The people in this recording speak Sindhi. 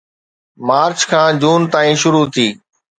مارچ کان جون تائين شروع ٿي